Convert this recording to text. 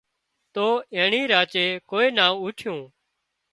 تو اينڻي راچي ڪوئي نا اوٺيون